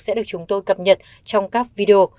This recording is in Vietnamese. sẽ được chúng tôi cập nhật trong các video